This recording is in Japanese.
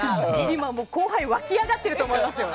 今、後輩沸き上がってると思いますよ。